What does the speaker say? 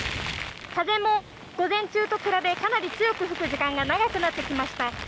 風も午前中と比べかなり強く吹く時間が長くなってきました。